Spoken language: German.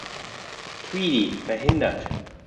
Tweedy, verhindert.